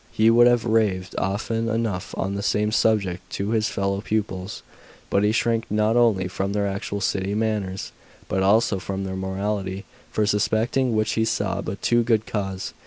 He would have raved often enough on the same subject to his fellow pupils, but he shrank not only from their artificial city manners, but also from their morality, for suspecting which he saw but too good cause.